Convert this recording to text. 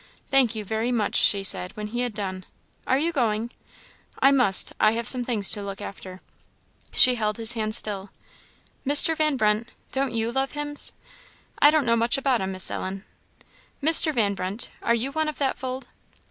"Thank you, very much," she said, when he had done. "Are you going?" "I must; I have some things to look after." She held his hand still. "Mr. Van Brunt, don't you love hymns?" "I don't know much about 'em, Miss Ellen." "Mr. Van Brunt, are you one of that fold?"